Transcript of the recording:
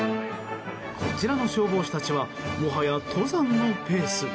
こちらの消防士たちはもはや登山のペース。